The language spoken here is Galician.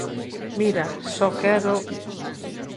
Mira, só quero...